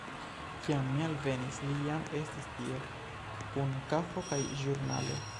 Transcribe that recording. Kiam mi alvenis, li jam estis tie, kun kafo kaj ĵurnalo.